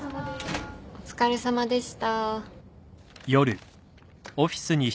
お疲れさまでした。